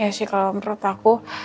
ya sih kalau menurut aku